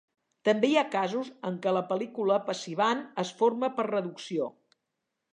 També hi ha casos en què la pel·lícula passivant es forma per reducció.